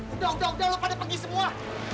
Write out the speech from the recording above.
udah udah udah lo pada pergi semua